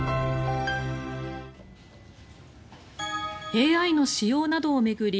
ＡＩの使用などを巡り